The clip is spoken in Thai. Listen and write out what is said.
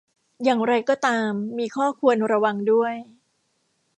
อย่างไรก็ตาม มีข้อควรระวังด้วย